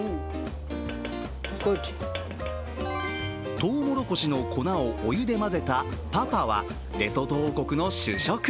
とうもろこしの粉をお湯で混ぜたパパはレソト王国の主食。